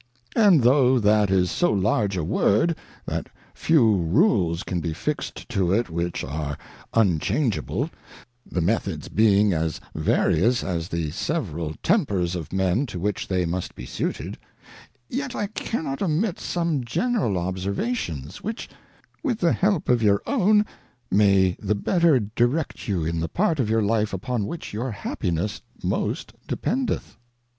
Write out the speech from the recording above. And though that is so large a Word, that few Rules can be fix'd to it which are unchange able, the Methods being as various as the several Tempers of Men to which they must be suited ; yet I cannot omit some General Observations, which, with the help of your own may the better direct you in the.^art_Qf_youiL Life upon which your Happiness most dependeth.